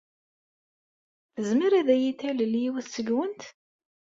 Tezmer ad iyi-talel yiwet seg-went?